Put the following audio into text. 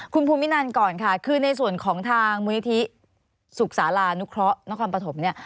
คุณภูมินันก่อนค่ะคือในส่วนของทางมือทิศุกษาลานุเคราะห์น้องความประถมเนี่ย